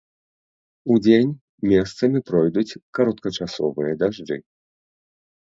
Удзень месцамі пройдуць кароткачасовыя дажджы.